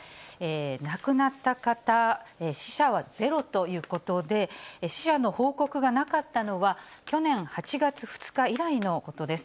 亡くなった方、死者は０ということで、死者の報告がなかったのは、去年８月２日以来のことです。